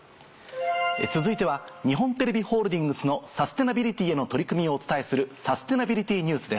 続いては日本テレビホールディングスのサステナビリティへの取り組みをお伝えする。